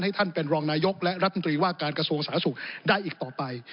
ท่านเป็นรองนายกและรัฐมนตรีว่าการกระทรวงสาธารณสุขได้อีกต่อไป